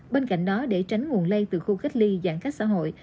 bên cạnh đó để tránh nguồn lây từ khu cách ly giãn cách xã hội